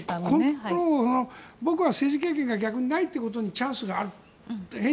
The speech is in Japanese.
僕は政治経験がないというところにチャンスがあると。